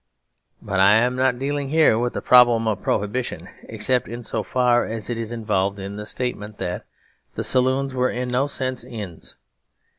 But I am not dealing here with the problem of Prohibition except in so far as it is involved in the statement that the saloons were in no sense inns.